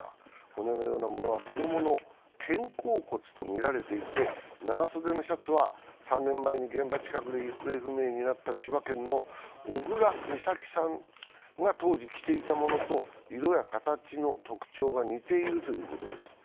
骨のようなものは子供の肩甲骨とみられていて、長袖のシャツは３年前に現場近くで行方不明になった千葉県の小倉美咲さんが当時来ていたものと色や形の特徴が似ているということです。